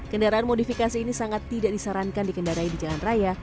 kendaraan modifikasi ini sangat tidak disarankan dikendarai di jalan raya